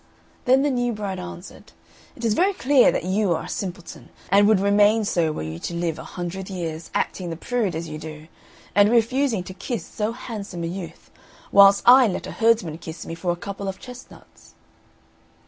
Then the new bride answered, "It is very clear that you are a simpleton, and would remain so were you to live a hundred years, acting the prude as you do, and refusing to kiss so handsome a youth, whilst I let a herdsman kiss me for a couple of chestnuts."